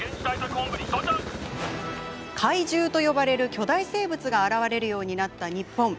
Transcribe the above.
禍威獣と呼ばれる巨大生物が現れるようになった日本。